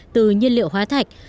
từ nhiên liệu hóa thạch